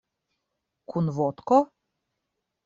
Kun vodko?